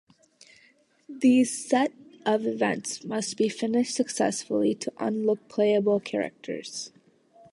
These set of events must be finished successfully to unlock playable characters.